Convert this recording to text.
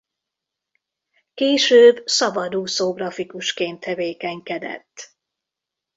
Később szabadúszó grafikusként tevékenykedett.